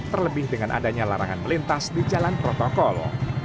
terlebih dengan adanya larangan melintas di jalan protokol